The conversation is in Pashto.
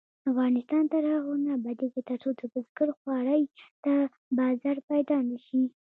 افغانستان تر هغو نه ابادیږي، ترڅو د بزګر خوارۍ ته بازار پیدا نشي.